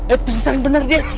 eh pingsan bener ya